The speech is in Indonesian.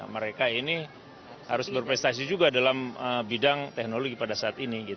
mereka ini harus berprestasi juga dalam bidang teknologi pada saat ini